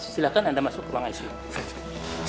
silahkan anda masuk ke ruangan itu